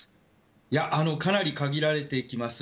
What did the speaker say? かなり限られてきます。